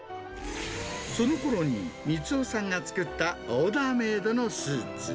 そのころに光雄さんが作ったオーダーメイドのスーツ。